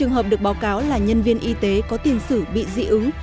hai trường hợp được báo cáo là nhân viên y tế có tiền sử bị dị ứng